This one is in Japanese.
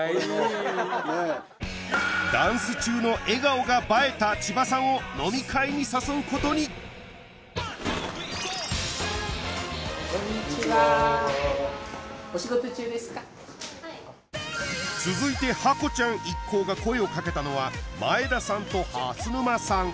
ダンス中の笑顔が映えた千葉さんを飲み会に誘うことにこんにちはこんにちは続いてハコちゃん一行が声をかけたのは前田さんと蓮沼さん